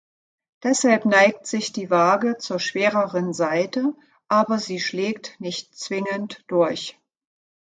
Deshalb neigt sich die Waage zur schwereren Seite, aber sie schlägt nicht zwingend durch.